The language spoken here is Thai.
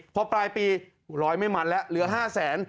พอปลายปีร้อยไม่มันแล้วเหลือ๕แสน